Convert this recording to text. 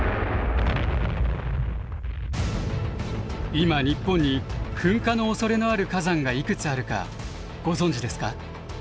今日本に噴火のおそれのある火山がいくつあるかご存じですか？